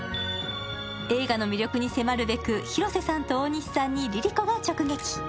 映画の魅力に迫るべく、広瀬さんと大西さんにＬｉＬｉＣｏが直撃。